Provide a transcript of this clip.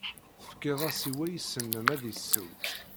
Tefkid-as i wayis-nnem ad isew.